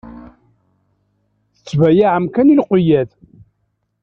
Tettbayaεem kan i lqeyyad.